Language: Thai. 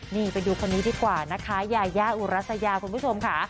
นี่ไปดูคนนี้ดีกว่านะคะยายาอุรัสยาคุณผู้ชมค่ะ